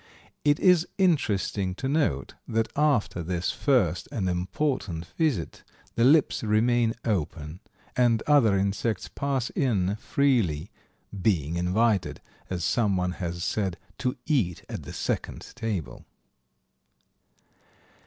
It is interesting to note that after this first and important visit the lips remain open and other insects pass in freely, "being invited," as some one has said, "to eat at the second table."